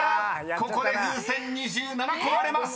ここで風船２７個割れます］